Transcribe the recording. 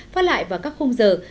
phát lại vào các khung giờ